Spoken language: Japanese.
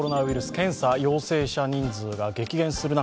検査陽性者人数が激減する中